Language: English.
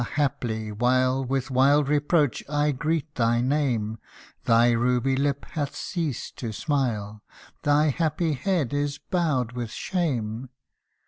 haply, while With wild reproach I greet thy name, Thy ruby lip hath ceased to smile Thy happy head is bowed with shame